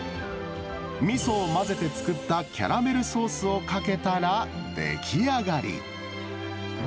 みそを混ぜて作ったキャラメルソースをかけたら、出来上がり。